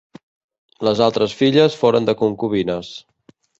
Les altres filles foren de concubines.